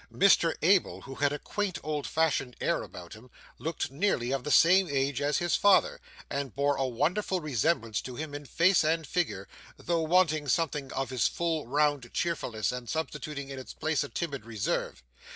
Mr Abel, who had a quaint old fashioned air about him, looked nearly of the same age as his father, and bore a wonderful resemblance to him in face and figure, though wanting something of his full, round, cheerfulness, and substituting in its place a timid reserve.